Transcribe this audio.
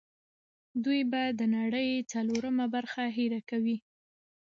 دوی به د نړۍ څلورمه برخه هېر کوي.